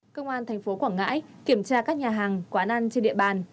công an tp quảng ngãi kiểm tra các nhà hàng quán ăn trên địa bàn